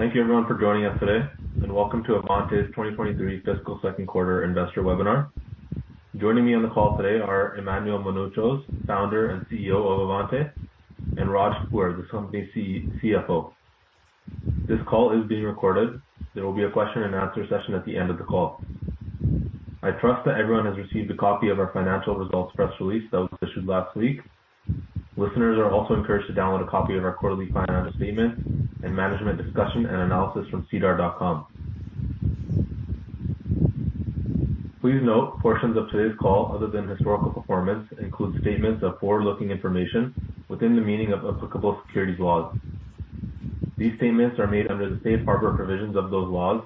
Thank you everyone for joining us today, and welcome to Avante's 2023 Fiscal Second Quarter Investor Webinar. Joining me on the call today are Emmanuel Mounouchos, founder and CEO of Avante, and Raj Kapoor, the company's CFO. This call is being recorded. There will be a question and answer session at the end of the call. I trust that everyone has received a copy of our financial results press release that was issued last week. Listeners are also encouraged to download a copy of our quarterly financial statement and management discussion and analysis from SEDAR.com. Please note, portions of today's call, other than historical performance, include statements of forward-looking information within the meaning of applicable securities laws. These statements are made under the safe harbor provisions of those laws.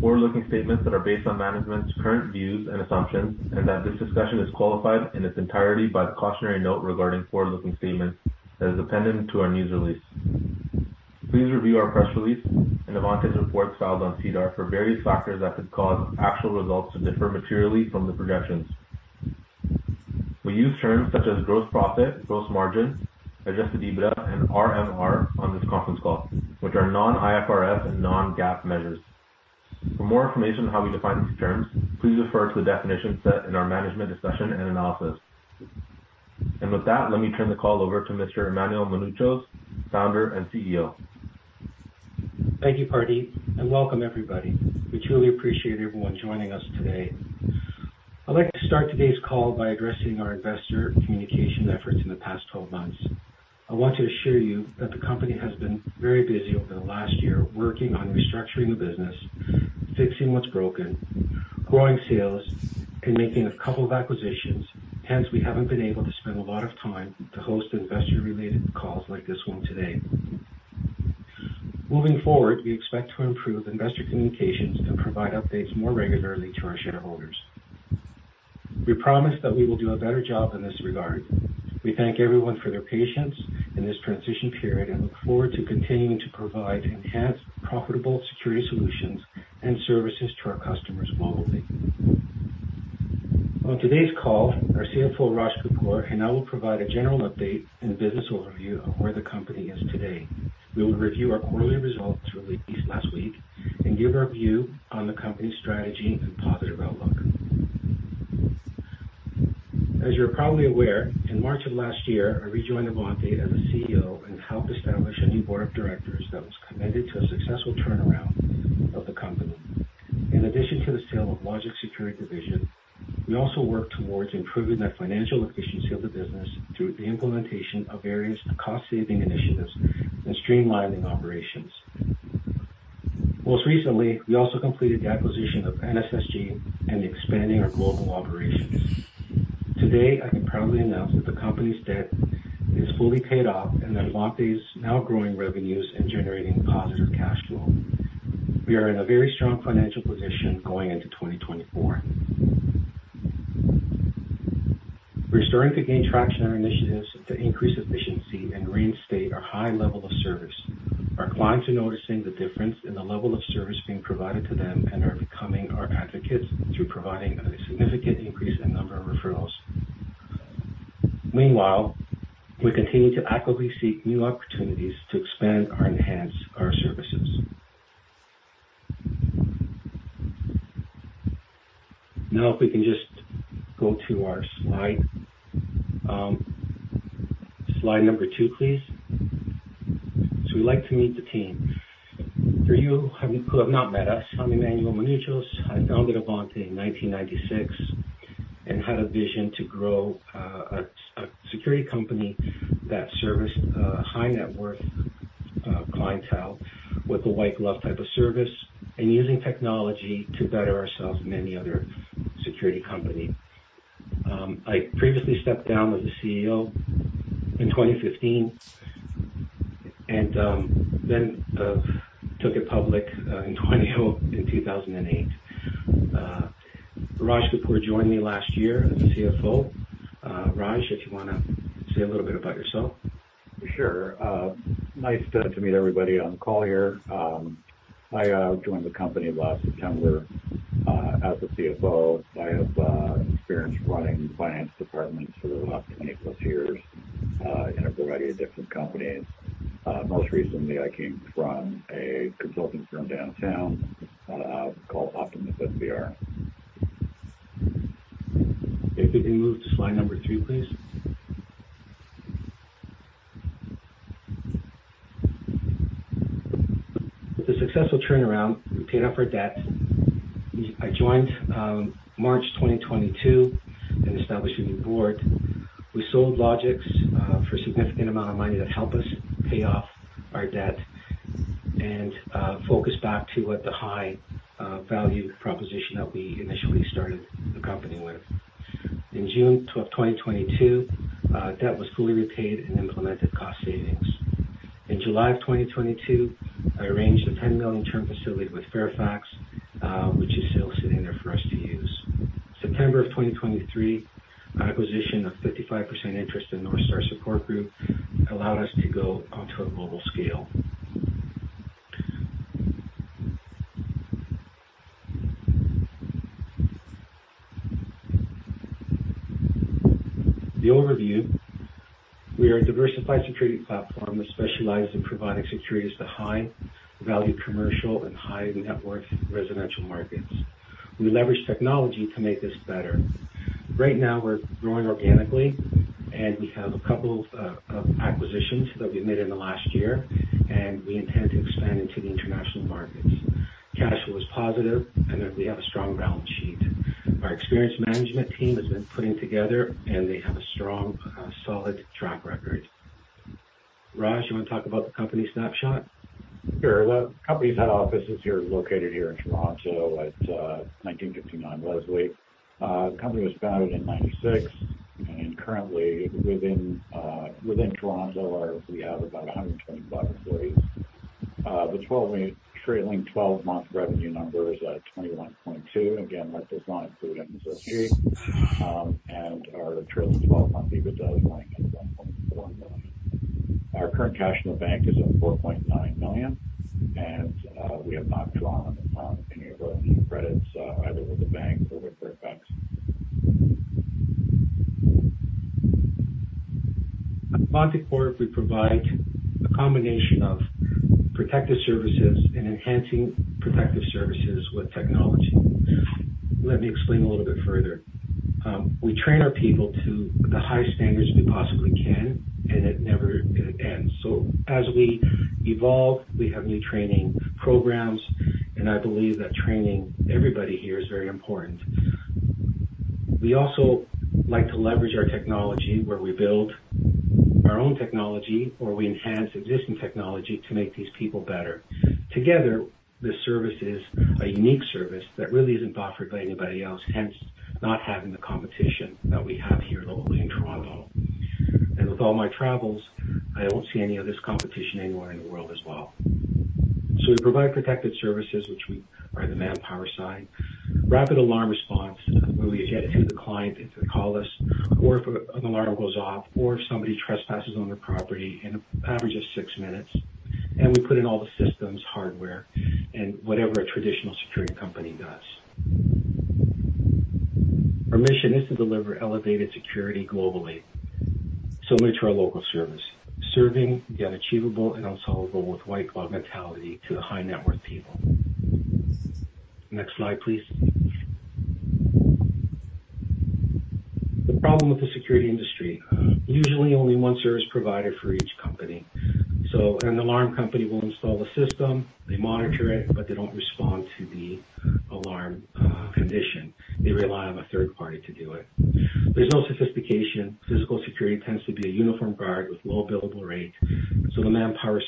Forward-looking statements that are based on management's current views and assumptions, and that this discussion is qualified in its entirety by the cautionary note regarding forward-looking statements as appended to our news release. Please review our press release and Avante's reports filed on SEDAR for various factors that could cause actual results to differ materially from the projections. We use terms such as gross profit, gross margin, Adjusted EBITDA, and RMR on this conference call, which are non-IFRS and non-GAAP measures. For more information on how we define these terms, please refer to the definition set in our management discussion and analysis. With that, let me turn the call over to Mr. Emmanuel Mounouchos, Founder and CEO. Thank you, Pardeep, and welcome everybody. We truly appreciate everyone joining us today. I'd like to start today's call by addressing our investor communication efforts in the past 12 months. I want to assure you that the company has been very busy over the last year, working on restructuring the business, fixing what's broken, growing sales, and making a couple of acquisitions. Hence, we haven't been able to spend a lot of time to host investor-related calls like this one today. Moving forward, we expect to improve investor communications and provide updates more regularly to our shareholders. We promise that we will do a better job in this regard. We thank everyone for their patience in this transition period and look forward to continuing to provide enhanced, profitable security solutions and services to our customers globally. On today's call, our CFO, Raj Kapoor, and I will provide a general update and business overview of where the company is today. We will review our quarterly results released last week and give our view on the company's strategy and positive outlook. As you're probably aware, in March of last year, I rejoined Avante as a CEO and helped establish a new board of directors that was committed to a successful turnaround of the company. In addition to the sale of Logixx's Security Division, we also worked towards improving the financial efficiency of the business through the implementation of various cost-saving initiatives and streamlining operations. Most recently, we also completed the acquisition of NSSG and expanding our global operations. Today, I can proudly announce that the company's debt is fully paid off and that Avante is now growing revenues and generating positive cash flow. We are in a very strong financial position going into 2024. We're starting to gain traction on our initiatives to increase efficiency and reinstate our high level of service. Our clients are noticing the difference in the level of service being provided to them and are becoming our advocates through providing a significant increase in number of referrals. Meanwhile, we continue to actively seek new opportunities to expand or enhance our services. Now, if we can just go to our slide, slide number two, please. So we'd like to meet the team. For you who have not met us, I'm Emmanuel Mounouchos. I founded Avante in 1996 and had a vision to grow a security company that serviced high net worth clientele with a white glove type of service and using technology to better ourselves and many other security companies. I previously stepped down as the CEO in 2015 and then took it public in 2008. Raj Kapoor joined me last year as the CFO. Raj, if you want to say a little bit about yourself. Sure. Nice to meet everybody on the call here. I joined the company last September as the CFO. I have experience running finance departments for the last 20+ years in a variety of different companies. Most recently, I came from a consulting firm downtown called Optimus SBR. If we can move to Slide number two, please. With a successful turnaround, we paid off our debt. I joined March 2022 and established a new board. We sold Logixx for a significant amount of money to help us pay off our debt and focus back to what the high value proposition that we initially started the company with. In June of 2022 debt was fully repaid and implemented cost savings. In July of 2022, I arranged a 10 million term facility with FairFax which is still sitting there for us to use. September of 2023, acquisition of 55% interest in North Star Support Group allowed us to go onto a global scale. The overview. We are a diversified security platform that specializes in providing securities to high-value commercial and high-net-worth residential markets. We leverage technology to make this better. Right now, we're growing organically, and we have a couple of acquisitions that we've made in the last year, and we intend to expand into the international markets. Cash flow is positive, and then we have a strong balance sheet. Our experienced management team has been putting together, and they have a strong, solid track record. Raj, you want to talk about the company snapshot? Sure. The company's head office is here, located here in Toronto at 1959 Leslie. The company was founded in 1996, and currently within Toronto, we have about 125 employees. The trailing twelve-month revenue number is 21.2 million. Again, that does not include NSSG. And our trailing twelve-month EBITDA is 91.4 million. Our current cash in the bank is at 4.9 million, and we have not drawn on any of our line of credits, either with the bank or with FairFax. Avante Corp, we provide a combination of protective services and enhancing protective services with technology. Let me explain a little bit further. We train our people to the highest standards we possibly can, and it never, it ends. So as we evolve, we have new training programs, and I believe that training everybody here is very important. We also like to leverage our technology, where we build our own technology, or we enhance existing technology to make these people better. Together, this service is a unique service that really isn't offered by anybody else, hence, not having the competition that we have here locally in Toronto. And with all my travels, I don't see any of this competition anywhere in the world as well. We provide protected services, which we are the manpower side, rapid alarm response, where we get to the client if they call us, or if an alarm goes off, or if somebody trespasses on their property in an average of six minutes. We put in all the systems, hardware, and whatever a traditional security company does. Our mission is to deliver elevated security globally, similar to our local service. Serving the unachievable and unsolvable with white glove mentality to the high-net-worth people. Next slide, please. The problem with the security industry, usually only one service provider for each company. An alarm company will install the system, they monitor it, but they don't respond to the alarm condition. They rely on a third party to do it. There's no sophistication. Physical security tends to be a uniform guard with low billable rate, so the manpower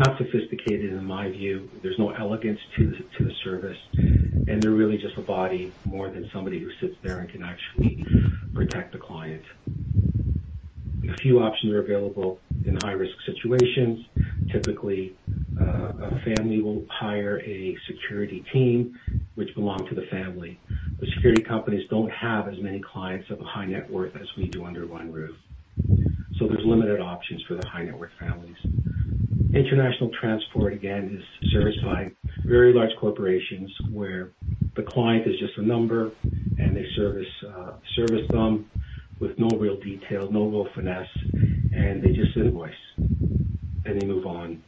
side is not sophisticated, in my view. There's no elegance to the service, and they're really just a body more than somebody who sits there and can actually protect the client. A few options are available in high-risk situations. Typically, a family will hire a security team which belong to the family. The security companies don't have as many clients of a high net worth as we do under one roof. So there's limited options for the high-net-worth families. International transport, again, is serviced by very large corporations, where the client is just a number, and they service them with no real detail, no real finesse, and they just invoice, and they move on.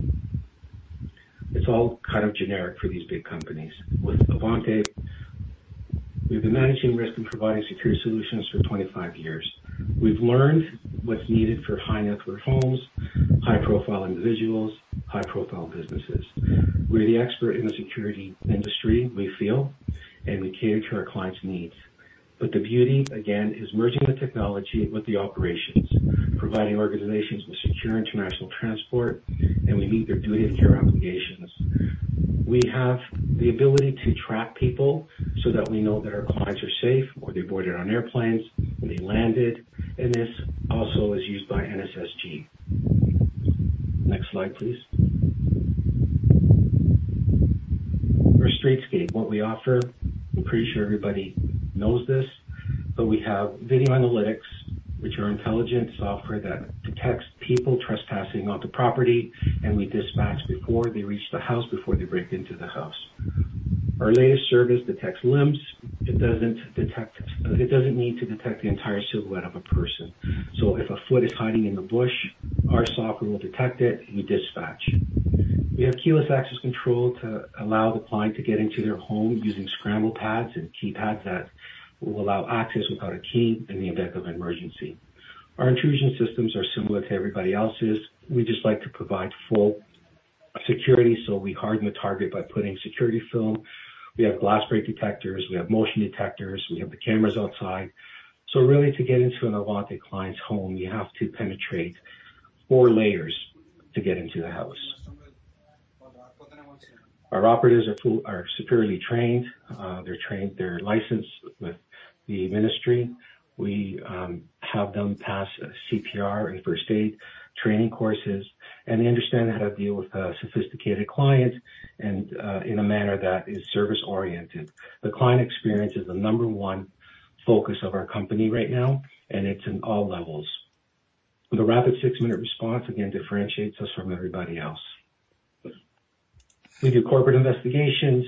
It's all kind of generic for these big companies. With Avante, we've been managing risk and providing security solutions for 25 years. We've learned what's needed for high-net-worth homes, high-profile individuals, high-profile businesses. We're the expert in the security industry, we feel, and we cater to our clients' needs. But the beauty, again, is merging the technology with the operations, providing organizations with secure international transport, and we meet their duty of care obligations. We have the ability to track people so that we know that our clients are safe, or they boarded on airplanes, when they landed, and this also is used by NSSG. Next slide, please. Our streetscape, what we offer, I'm pretty sure everybody knows this, but we have video analytics, which are intelligent software that detects people trespassing on the property, and we dispatch before they reach the house, before they break into the house. Our latest service detects limbs. It doesn't detect... It doesn't need to detect the entire silhouette of a person. So if a foot is hiding in the bush, our software will detect it, and we dispatch. We have keyless access control to allow the client to get into their home using scramble pads and keypads that will allow access without a key in the event of an emergency. Our intrusion systems are similar to everybody else's. We just like to provide full security, so we harden the target by putting security film. We have glass break detectors, we have motion detectors, we have the cameras outside. So really, to get into an Avante client's home, you have to penetrate four layers to get into the house. Our operatives are superiorly trained. They're trained, they're licensed with the Ministry. We have them pass CPR and first aid training courses, and they understand how to deal with a sophisticated client and in a manner that is service-oriented. The client experience is the number one focus of our company right now, and it's in all levels. The rapid 6-minute response again differentiates us from everybody else. We do corporate investigations,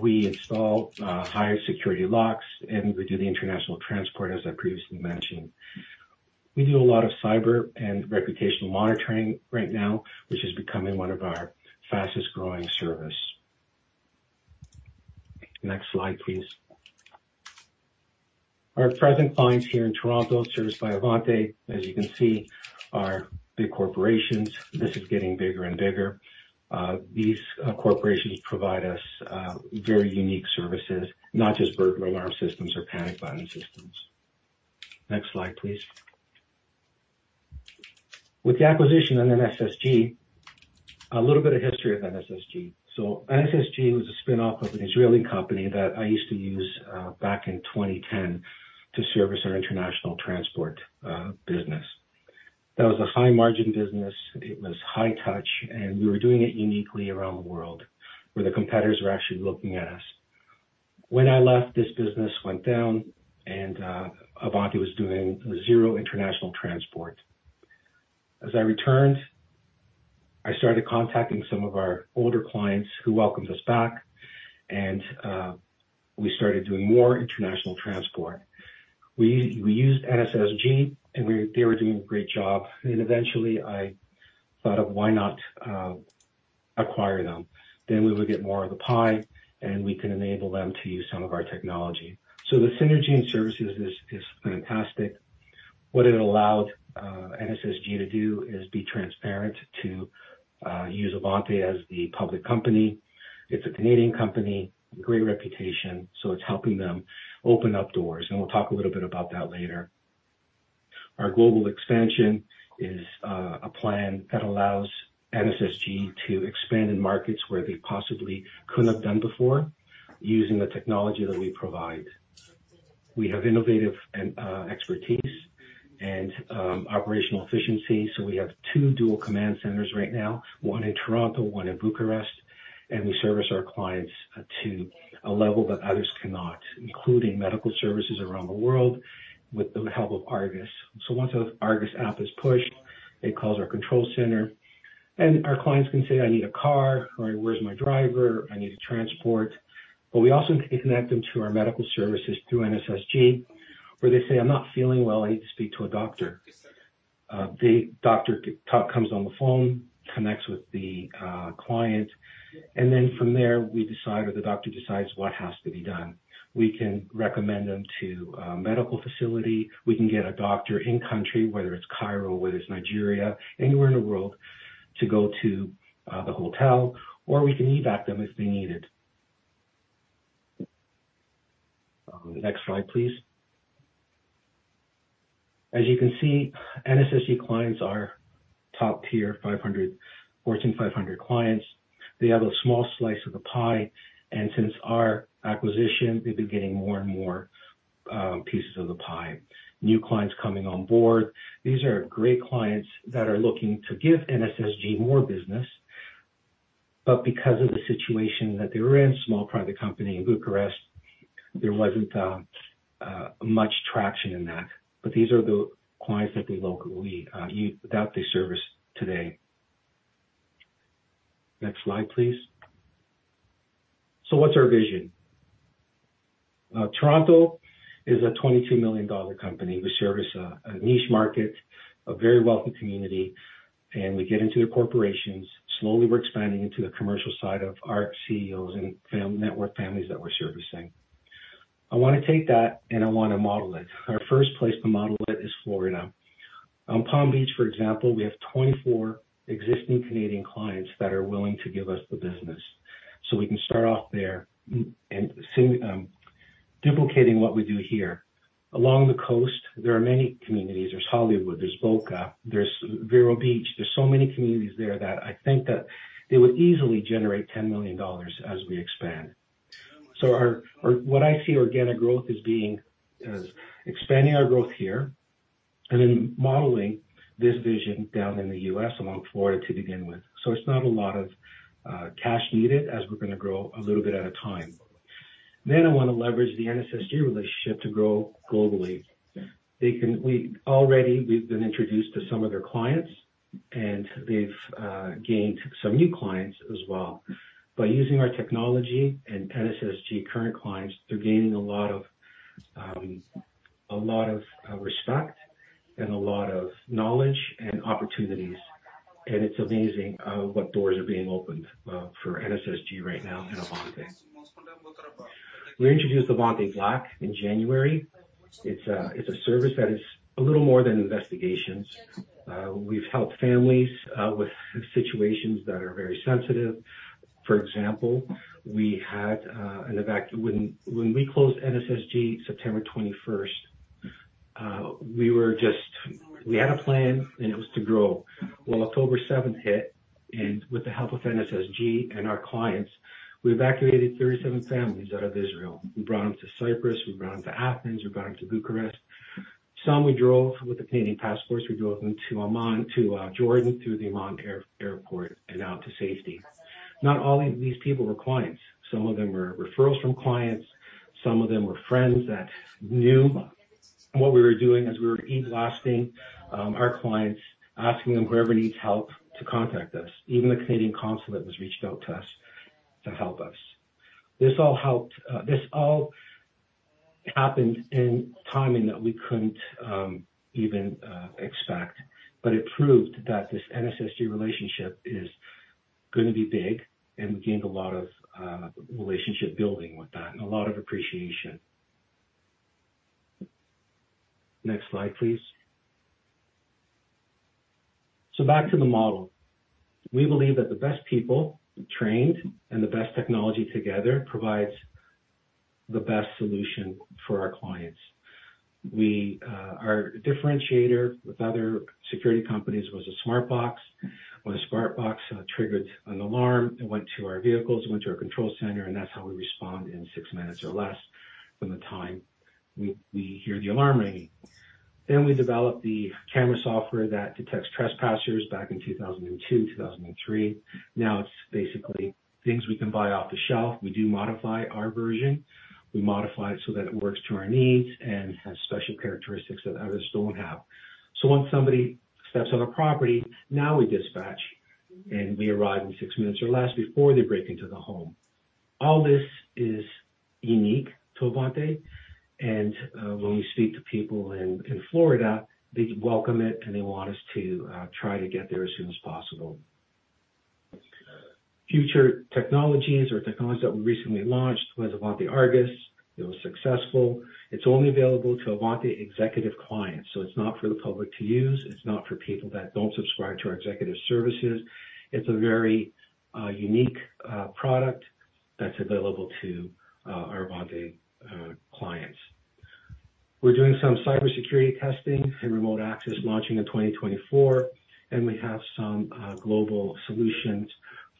we install higher security locks, and we do the international transport, as I previously mentioned. We do a lot of cyber and reputational monitoring right now, which is becoming one of our fastest growing service. Next slide, please. Our present clients here in Toronto, serviced by Avante, as you can see, are big corporations. This is getting bigger and bigger. These corporations provide us very unique services, not just burglar alarm systems or panic button systems. Next slide, please. With the acquisition on NSSG, a little bit of history of NSSG. So NSSG was a spinoff of an Israeli company that I used to use back in 2010 to service our international transport business. That was a high margin business, it was high touch, and we were doing it uniquely around the world, where the competitors were actually looking at us. When I left, this business went down and Avante was doing zero international transport. As I returned, I started contacting some of our older clients who welcomed us back, and we started doing more international transport. We used NSSG, and they were doing a great job, and eventually I thought of why not acquire them? Then we would get more of the pie, and we can enable them to use some of our technology. So the synergy in services is fantastic. What it allowed, NSSG to do, is be transparent to, use Avante as the public company. It's a Canadian company, great reputation, so it's helping them open up doors, and we'll talk a little bit about that later. Our global expansion is a plan that allows NSSG to expand in markets where they possibly couldn't have done before, using the technology that we provide. We have innovative and expertise and operational efficiency, so we have two dual command centers right now, one in Toronto, one in Bucharest, and we service our clients to a level that others cannot, including medical services around the world, with the help of Argus. So once an Argus app is pushed, it calls our control center, and our clients can say, "I need a car," or, "Where's my driver? I need to transport." But we also can connect them to our medical services through NSSG, where they say, "I'm not feeling well. I need to speak to a doctor." The doctor comes on the phone, connects with the client, and then from there, we decide, or the doctor decides what has to be done. We can recommend them to a medical facility. We can get a doctor in country, whether it's Cairo, whether it's Nigeria, anywhere in the world, to go to the hotel, or we can evac them if they need it. Next slide, please. As you can see, NSSG clients are top-tier Fortune 500 clients. They have a small slice of the pie, and since our acquisition, they've been getting more and more pieces of the pie. New clients coming on board. These are great clients that are looking to give NSSG more business, but because of the situation that they were in, small, private company in Bucharest, there wasn't much traction in that. But these are the clients that we locally that they service today. Next slide, please. So what's our vision? Toronto is a 22 million dollar company. We service a niche market, a very wealthy community, and we get into the corporations. Slowly, we're expanding into the commercial side of our CEOs and family network families that we're servicing. I wanna take that, and I wanna model it. Our first place to model it is Florida. Palm Beach, for example, we have 24 existing Canadian clients that are willing to give us the business. So we can start off there and see duplicating what we do here. Along the coast, there are many communities. There's Hollywood, there's Boca, there's Vero Beach. There's so many communities there that I think that it would easily generate $10 million as we expand. So what I see organic growth as being, as expanding our growth here, and then modeling this vision down in the U.S., among Florida to begin with. So it's not a lot of cash needed as we're gonna grow a little bit at a time. Then I wanna leverage the NSSG relationship to grow globally. We already, we've been introduced to some of their clients, and they've gained some new clients as well. By using our technology and NSSG current clients, they're gaining a lot of respect and a lot of knowledge and opportunities. It's amazing what doors are being opened for NSSG right now and Avante. We introduced Avante Black in January. It's a service that is a little more than investigations. We've helped families with situations that are very sensitive. For example, we had an evac when we closed NSSG, September twenty-first, we were just—we had a plan, and it was to grow. Well, October seventh hit, and with the help of NSSG and our clients, we evacuated 37 families out of Israel. We brought them to Cyprus, we brought them to Athens, we brought them to Bucharest. Some we drove with the Canadian passports. We drove them to Amman, to Jordan, through the Amman Airport and out to safety. Not all these people were clients. Some of them were referrals from clients, some of them were friends that. What we were doing is we were e-blasting our clients, asking them whoever needs help to contact us. Even the Canadian consulate has reached out to us to help us. This all helped. This all happened in timing that we couldn't even expect, but it proved that this NSSG relationship is gonna be big, and we gained a lot of relationship building with that and a lot of appreciation. Next slide, please. So back to the model. We believe that the best people trained and the best technology together provides the best solution for our clients. Our differentiator with other security companies was a Smartboxx. When a Smartboxx triggered an alarm, it went to our vehicles, it went to our control center, and that's how we respond in six minutes or less from the time we hear the alarm ringing. Then we developed the camera software that detects trespassers back in 2002, 2003. Now it's basically things we can buy off the shelf. We do modify our version. We modify it so that it works to our needs and has special characteristics that others don't have. So once somebody steps on a property, now we dispatch, and we arrive in six minutes or less before they break into the home. All this is unique to Avante, and when we speak to people in Florida, they welcome it, and they want us to try to get there as soon as possible. Future technologies or technologies that we recently launched was Avante Argus. It was successful. It's only available to Avante executive clients, so it's not for the public to use, it's not for people that don't subscribe to our executive services. It's a very unique product that's available to our Avante clients. We're doing some cybersecurity testing and remote access, launching in 2024, and we have some global solutions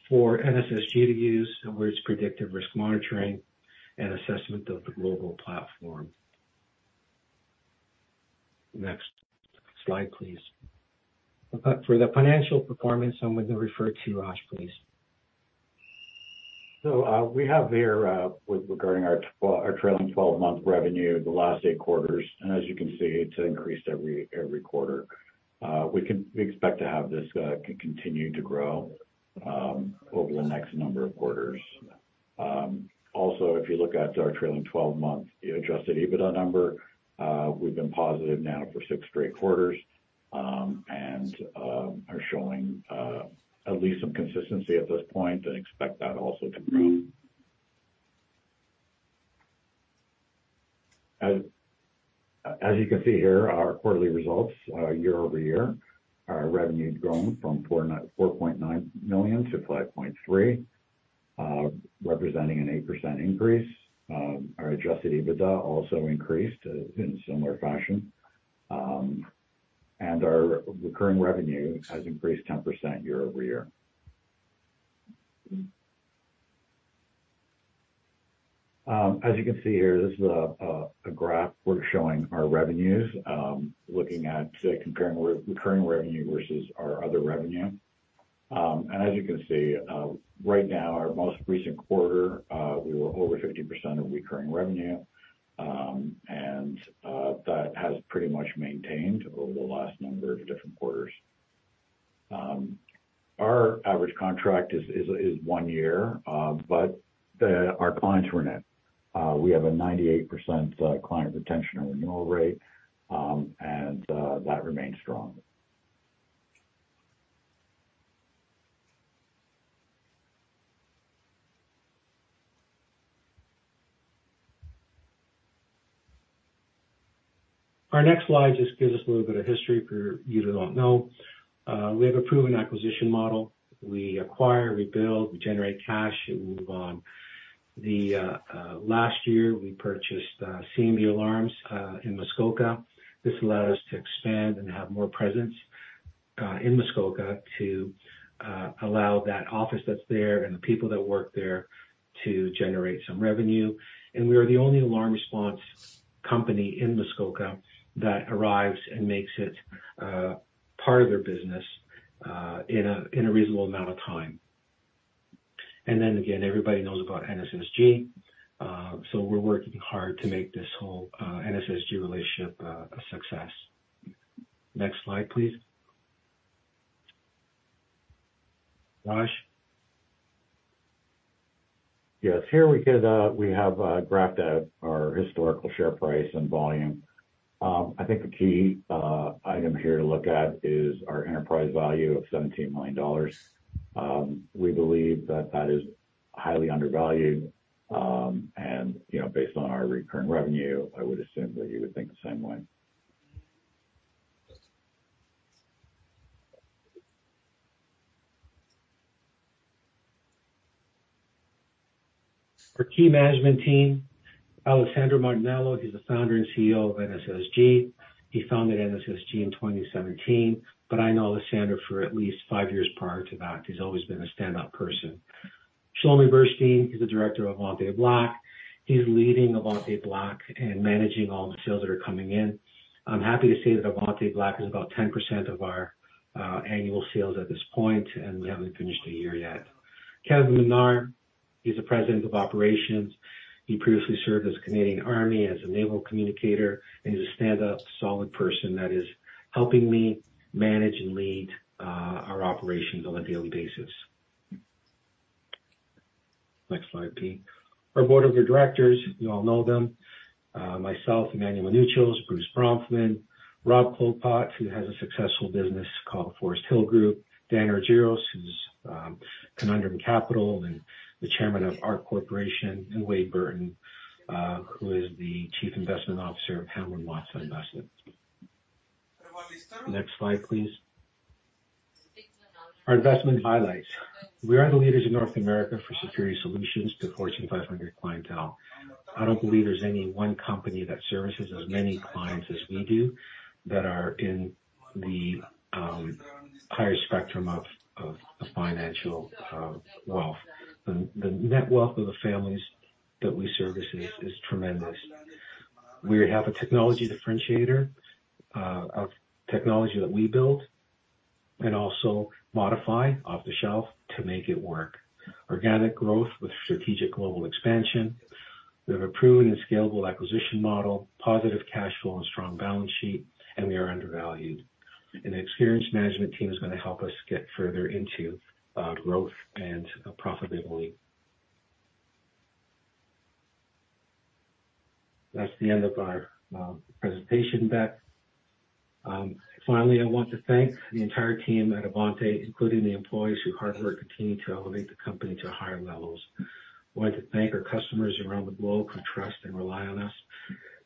for NSSG to use, where it's predictive risk monitoring and assessment of the global platform. Next slide, please. But for the financial performance, I'm going to refer to Raj, please. So, we have here, with regarding our trailing 12-month revenue, the last 8 quarters, and as you can see, it's increased every quarter. We expect to have this continue to grow over the next number of quarters. Also, if you look at our trailing 12-month adjusted EBITDA number, we've been positive now for six straight quarters, and are showing at least some consistency at this point and expect that also to grow. As you can see here, our quarterly results, year-over-year, our revenue has grown from 4.9 million to 5.3 million, representing an 8% increase. Our adjusted EBITDA also increased in similar fashion, and our recurring revenue has increased 10% year-over-year. As you can see here, this is a graph. We're showing our revenues, looking at comparing recurring revenue versus our other revenue. As you can see, right now, our most recent quarter, we were over 50% of recurring revenue, and that has pretty much maintained over the last number of different quarters. Our average contract is one year, but our clients renew. We have a 98% client retention and renewal rate, and that remains strong. Our next slide just gives us a little bit of history for you who don't know. We have a proven acquisition model. We acquire, we build, we generate cash, and we move on. Last year, we purchased C&B Alarms in Muskoka. This allowed us to expand and have more presence in Muskoka to allow that office that's there and the people that work there to generate some revenue. We are the only alarm response company in Muskoka that arrives and makes it part of their business in a reasonable amount of time. Then again, everybody knows about NSSG, so we're working hard to make this whole NSSG relationship a success. Next slide, please. Raj? Yes. Here we could, we have graphed out our historical share price and volume. I think the key item here to look at is our enterprise value of 17 million dollars. We believe that that is highly undervalued, and, you know, based on our recurring revenue, I would assume that you would think the same way. Our key management team, Alessandro Martello, he's the founder and CEO of NSSG. He founded NSSG in 2017, but I know Alessandro for at least five years prior to that. He's always been a standout person. Shalom Bershadsky, he's the director of Avante Black. He's leading Avante Black and managing all the sales that are coming in. I'm happy to say that Avante Black is about 10% of our annual sales at this point, and we haven't finished the year yet. Kevin Leonard, he's the President of Operations. He previously served in the Canadian Army as a naval communicator, and he's a stand-up, solid person that is helping me manage and lead our operations on a daily basis. Next slide, please. Our board of directors, you all know them. Myself, Emmanuel Mounouchos, Bruce Bronfman, Rob Klopot, who has a successful business called Forest Hill Group, Dan Argiros, who's Conundrum Capital and the chairman of Arch Corporation, and Wade Burton, who is the Chief Investment Officer of Hamblin Watsa Investment Counsel. Next slide, please. Our investment highlights. We are the leaders in North America for security solutions to Fortune 500 clientele. I don't believe there's any one company that services as many clients as we do, that are in the higher spectrum of financial wealth. The net wealth of the families that we service is tremendous. We have a technology differentiator of technology that we build and also modify off the shelf to make it work. Organic growth with strategic global expansion. We have a proven and scalable acquisition model, positive cash flow and strong balance sheet, and we are undervalued. An experienced management team is going to help us get further into growth and profitability. That's the end of our presentation back. Finally, I want to thank the entire team at Avante, including the employees whose hard work continue to elevate the company to higher levels. I want to thank our customers around the globe who trust and rely on us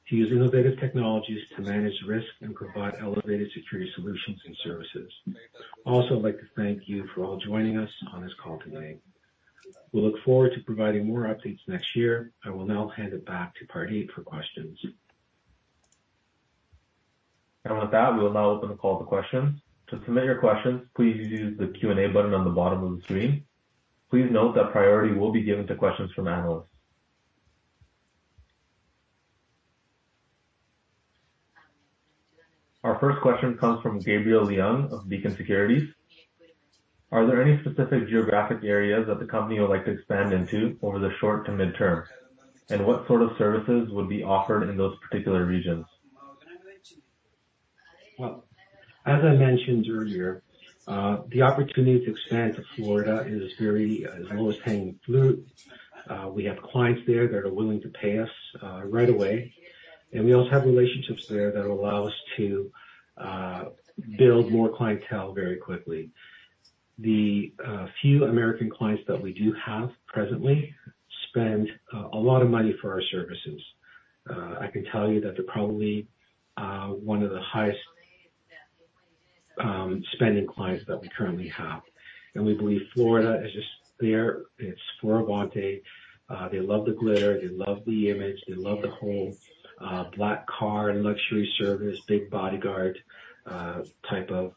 to use innovative technologies to manage risk and provide elevated security solutions and services. Also, I'd like to thank you for all joining us on this call today. We look forward to providing more updates next year. I will now hand it back to Pardeep for questions. And with that, we will now open the call to questions. To submit your questions, please use the Q&A button on the bottom of the screen. Please note that priority will be given to questions from analysts. Our first question comes from Gabriel Leung of Beacon Securities. Are there any specific geographic areas that the company would like to expand into over the short to mid-term? And what sort of services would be offered in those particular regions? Well, as I mentioned earlier, the opportunity to expand to Florida is very low-hanging fruit. We have clients there that are willing to pay us right away, and we also have relationships there that allow us to build more clientele very quickly. The few American clients that we do have presently spend a lot of money for our services. I can tell you that they're probably one of the highest spending clients that we currently have, and we believe Florida is just there. It's for Avante. They love the glitter, they love the image, they love the whole black car and luxury service, big bodyguard type of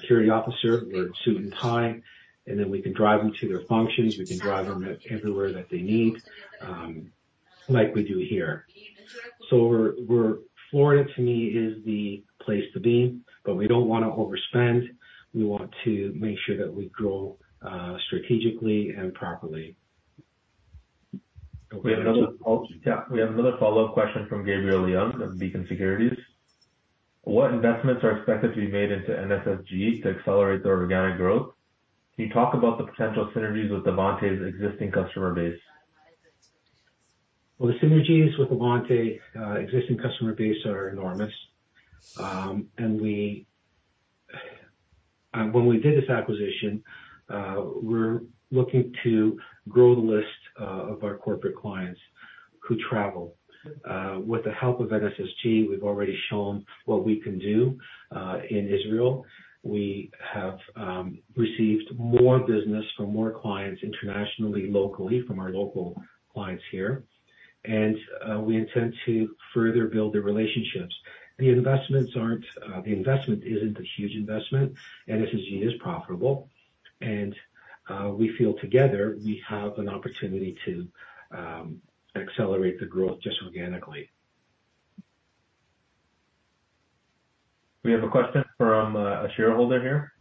security officer wear a suit and tie, and then we can drive them to their functions. We can drive them everywhere that they need, like we do here. So we're Florida, to me, is the place to be, but we don't want to overspend. We want to make sure that we grow strategically and properly. We have another follow-up... Yeah, we have another follow-up question from Gabriel Leung of Beacon Securities. What investments are expected to be made into NSSG to accelerate their organic growth? Can you talk about the potential synergies with Avante's existing customer base? Well, the synergies with Avante, existing customer base are enormous. We, when we did this acquisition, we're looking to grow the list, of our corporate clients who travel. With the help of NSSG, we've already shown what we can do, in Israel. We have received more business from more clients internationally, locally, from our local clients here, and we intend to further build their relationships. The investments aren't, the investment isn't a huge investment. NSSG is profitable, and we feel together we have an opportunity to accelerate the growth just organically. We have a question from, a shareholder here.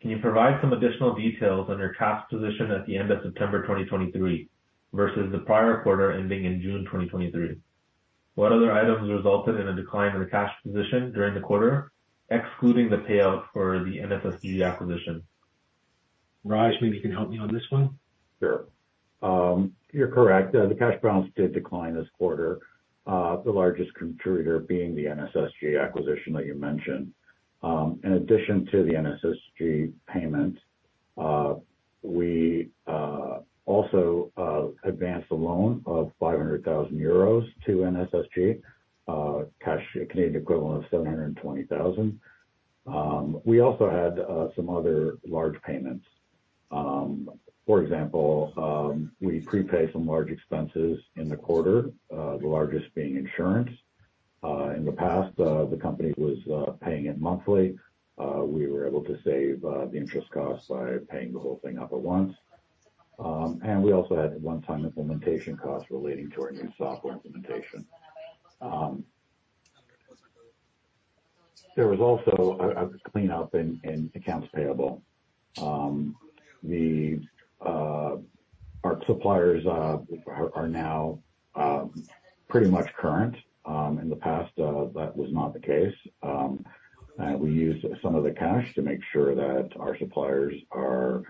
Can you provide some additional details on your cash position at the end of September 2023 versus the prior quarter ending in June 2023? What other items resulted in a decline in the cash position during the quarter, excluding the payout for the NSSG acquisition? Raj, maybe you can help me on this one. Sure. You're correct. The cash balance did decline this quarter, the largest contributor being the NSSG acquisition that you mentioned. In addition to the NSSG payment, we also advanced a loan of 500,000 euros to NSSG, cash, Canadian equivalent of 720,000. We also had some other large payments. For example, we prepaid some large expenses in the quarter, the largest being insurance. In the past, the company was paying it monthly. We were able to save the interest costs by paying the whole thing up at once. And we also had one-time implementation costs relating to our new software implementation. There was also a cleanup in accounts payable. Our suppliers are now pretty much current. In the past, that was not the case. We used some of the cash to make sure that our suppliers are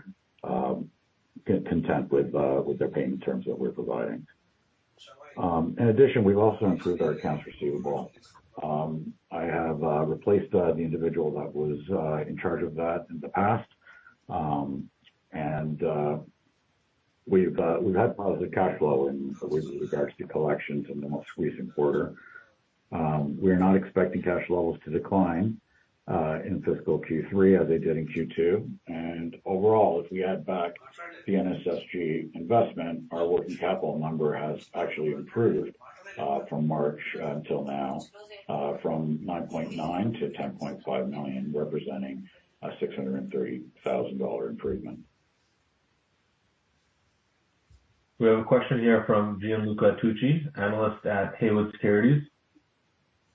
content with their payment terms that we're providing. In addition, we've also improved our accounts receivable. I have replaced the individual that was in charge of that in the past. And we've had positive cash flow with regards to collections in the most recent quarter. We are not expecting cash flows to decline in fiscal Q3 as they did in Q2. And overall, if we add back the NSSG investment, our working capital number has actually improved from March until now, from 9.9 million-10.5 million, representing a 630,000 dollar improvement. We have a question here from Gianluca Tucci, analyst at Haywood Securities.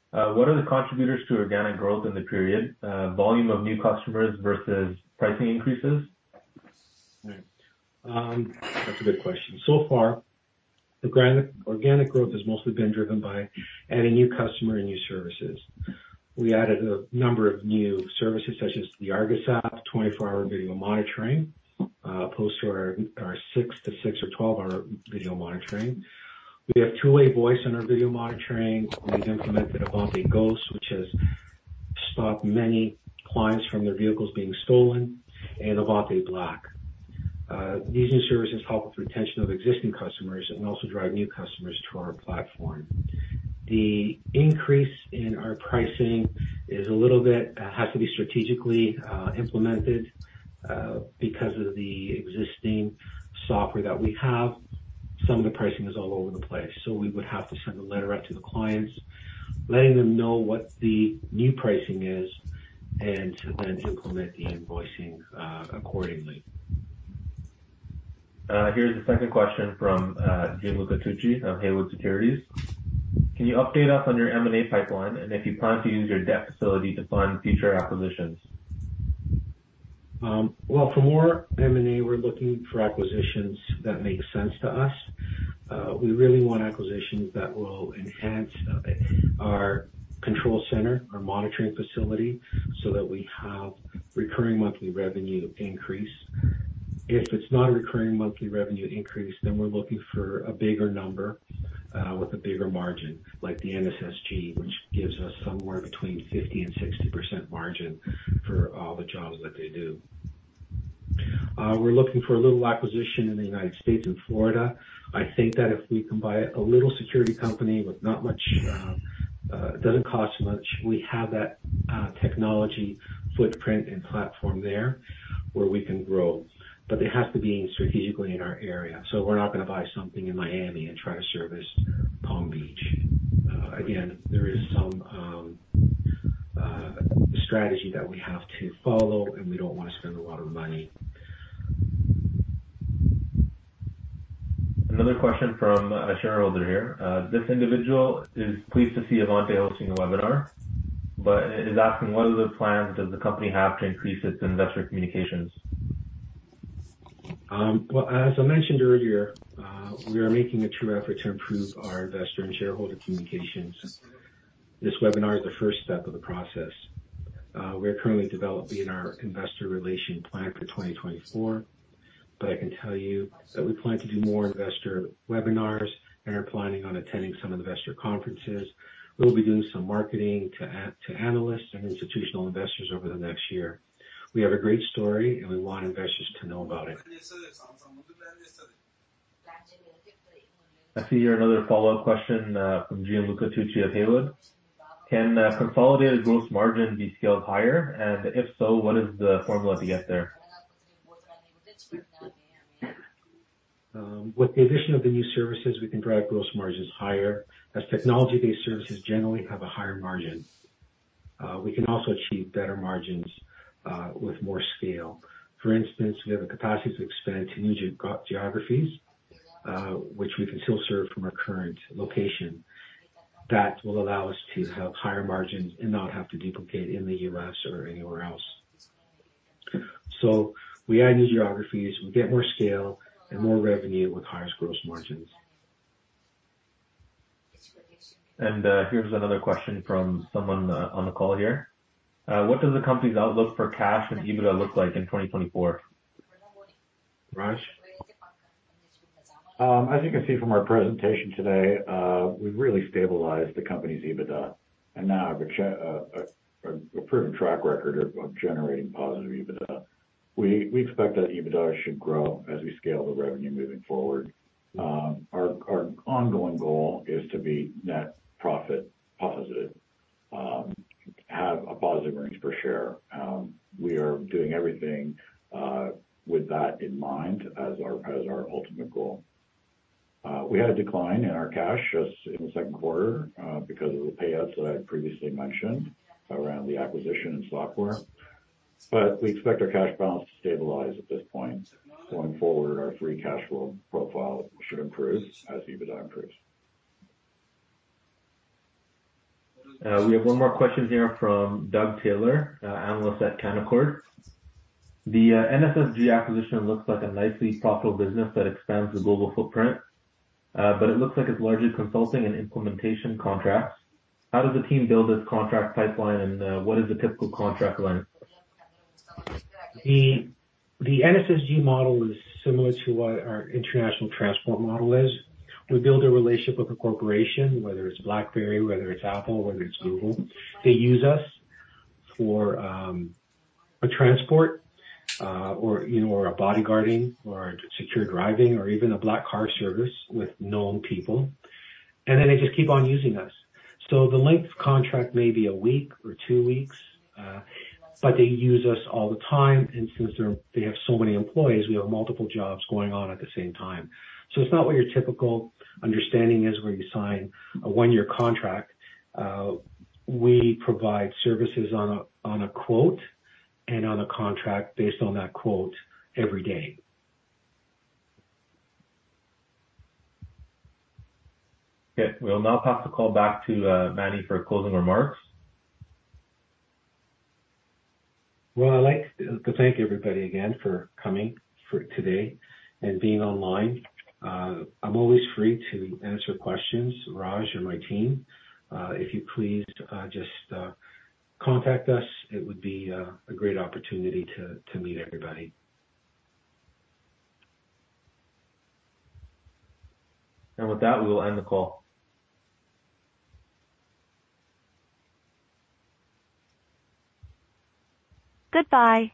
What are the contributors to organic growth in the period, volume of new customers versus pricing increases? Right. That's a good question. So far, organic growth has mostly been driven by adding new customer and new services. We added a number of new services, such as the Argus App, 24-hour video monitoring, opposed to our, our 6-to-6 or 12-hour video monitoring. We have two-way voice in our video monitoring. We've implemented Avante Ghost, which has stopped many clients from their vehicles being stolen, and Avante Black. These new services help with retention of existing customers and also drive new customers to our platform. The increase in our pricing is a little bit, has to be strategically, implemented, because of the existing software that we have. Some of the pricing is all over the place, so we would have to send a letter out to the clients, letting them know what the new pricing is and then to implement the invoicing accordingly. Here's a second question from, Gianluca Tucci of Haywood Securities. Can you update us on your M&A pipeline, and if you plan to use your debt facility to fund future acquisitions? Well, for more M&A, we're looking for acquisitions that make sense to us. We really want acquisitions that will enhance our control center, our monitoring facility, so that we have recurring monthly revenue increase. If it's not a recurring monthly revenue increase, then we're looking for a bigger number with a bigger margin, like the NSSG, which gives us somewhere between 50% and 60% margin for all the jobs that they do. We're looking for a little acquisition in the United States and Florida. I think that if we can buy a little security company with not much, it doesn't cost much. We have that technology footprint and platform there where we can grow, but it has to be strategically in our area. So we're not gonna buy something in Miami and try to service Palm Beach. Again, there is some strategy that we have to follow, and we don't want to spend a lot of money. Another question from a shareholder here. This individual is pleased to see Avante hosting a webinar, but is asking: What other plans does the company have to increase its investor communications? Well, as I mentioned earlier, we are making a true effort to improve our investor and shareholder communications. This webinar is the first step of the process. We are currently developing our investor relation plan for 2024, but I can tell you that we plan to do more investor webinars and are planning on attending some investor conferences. We'll be doing some marketing to analysts and institutional investors over the next year. We have a great story, and we want investors to know about it. I see here another follow-up question from Gianluca Tucci of Haywood. Can consolidated gross margin be scaled higher? And if so, what is the formula to get there? With the addition of the new services, we can drive gross margins higher, as technology-based services generally have a higher margin. We can also achieve better margins with more scale. For instance, we have a capacity to expand to new geographies, which we can still serve from our current location. That will allow us to have higher margins and not have to duplicate in the U.S. or anywhere else. So we add new geographies, we get more scale and more revenue with higher gross margins. Here's another question from someone on the call here. What does the company's outlook for cash and EBITDA look like in 2024? Raj? As you can see from our presentation today, we've really stabilized the company's EBITDA and now have a proven track record of generating positive EBITDA. We expect that EBITDA should grow as we scale the revenue moving forward. Our ongoing goal is to be net profit positive, have a positive earnings per share. We are doing everything with that in mind as our ultimate goal. We had a decline in our cash just in the second quarter because of the payouts that I previously mentioned around the acquisition and software.... We expect our cash balance to stabilize at this point. Going forward, our free cash flow profile should improve as EBITDA improves. We have one more question here from Doug Taylor, analyst at Canaccord. The NSSG acquisition looks like a nicely profitable business that expands the global footprint, but it looks like it's largely consulting and implementation contracts. How does the team build this contract pipeline, and what is the typical contract length? NSSG model is similar to what our international transport model is. We build a relationship with a corporation, whether it's BlackBerry, whether it's Apple, whether it's Google. They use us for a transport, or, you know, or a bodyguarding or secure driving or even a black car service with known people, and then they just keep on using us. So the length of contract may be a week or two weeks, but they use us all the time, and since they have so many employees, we have multiple jobs going on at the same time. So it's not what your typical understanding is, where you sign a one-year contract. We provide services on a quote and on a contract based on that quote every day. Okay. We'll now pass the call back to, Manny for closing remarks. Well, I'd like to thank everybody again for coming for today and being online. I'm always free to answer questions, Raj and my team. If you please, just contact us, it would be a great opportunity to meet everybody. With that, we will end the call. Goodbye.